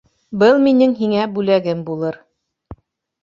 Был минең һиңә бүлләгем булыр.